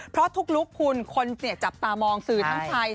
เพราะทุกลุคคุณคนจับตามองสื่อทั้งไทย